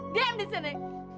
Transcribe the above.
diem di sini